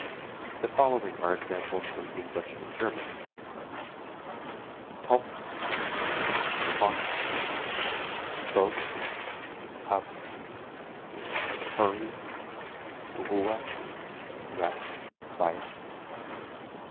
The following are examples from English and German: Topf pot; boat tub; hurry Ruhe (rest, quiet).